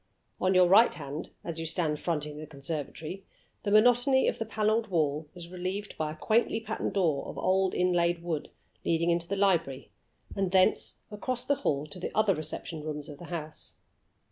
On your right hand, as you stand fronting the conservatory, the monotony of the paneled wall is relieved by a quaintly patterned door of old inlaid wood, leading into the library, and thence, across the great hall, to the other reception rooms of the house.